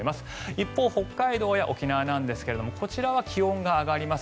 一方、北海道や沖縄ですがこちらは気温が上がります。